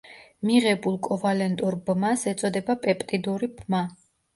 მიღებულ კოვალენტურ ბმას ეწოდება პეპტიდური ბმა.